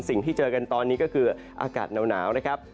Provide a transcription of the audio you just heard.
เจอกันตอนนี้ก็คืออากาศหนาวนะครับ